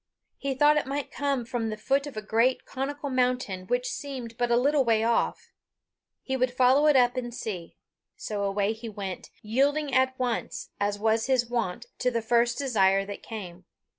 He thought it might come from the foot of a great conical mountain which seemed but a little way off. He would follow it up and see. So away he went, yielding at once, as was his wont, to the first desire that came.